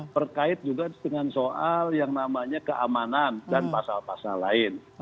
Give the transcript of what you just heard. terkait juga dengan soal yang namanya keamanan dan pasal pasal lain